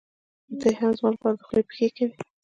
دی هم زما دخولې پېښې کوي.